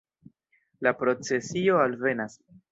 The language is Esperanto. La procesio alvenas.